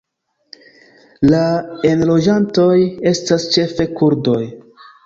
La enloĝantoj estas ĉefe kurdoj.